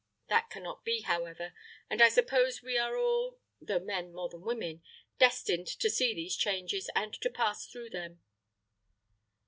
That can not be, however; and I suppose we are all though men more than women destined to see these changes, and to pass through them."